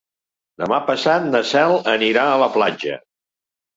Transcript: Demà passat na Cel anirà a la platja.